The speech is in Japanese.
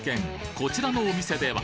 こちらのお店では？